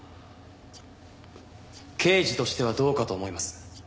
刑事としてはどうかと思います。